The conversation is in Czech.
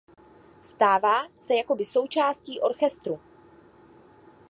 Stává se jakoby součástí orchestru.